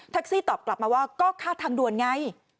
ซี่ตอบกลับมาว่าก็ค่าทางด่วนไง